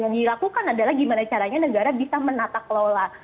yang dilakukan adalah bagaimana negara bisa menatak lola